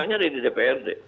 bolanya di dprd